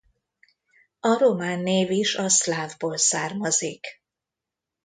A román név is a szlávból származik.